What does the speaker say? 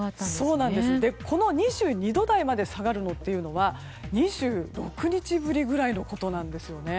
２２度台まで下がるのは２６日ぶりぐらいのことなんですよね。